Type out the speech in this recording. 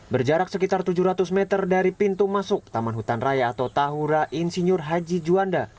berjarak sekitar tujuh ratus meter dari pintu masuk taman hutan raya atau tahura insinyur haji juanda